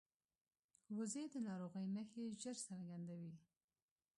وزې د ناروغۍ نښې ژر څرګندوي